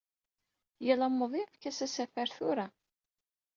Yal amuḍin efk-as asafar tura.